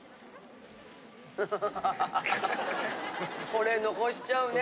これ残しちゃうね。